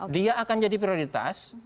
dia akan jadi prioritas